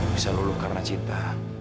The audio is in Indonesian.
bisa luluh karena cinta